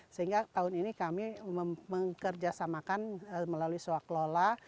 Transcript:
sehingga tahun ini kami mengkerjasamakan melalui swak lola